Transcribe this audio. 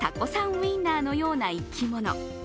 ウインナーのような生き物。